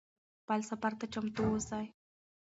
خپل سفر ته چمتو اوسئ.